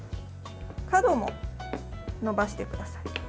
角も延ばしてください。